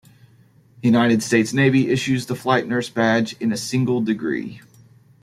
The United States Navy issues the Flight Nurse Badge in a single degree.